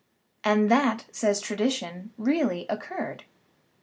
And that, says tradition, really oc curred